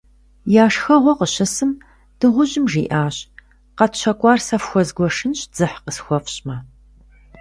Я шхэгъуэ къыщысым, дыгъужьым жиӏащ: - Къэтщэкӏуар сэ фхуэзгуэшынщ, дзыхь къысхуэфщӏмэ.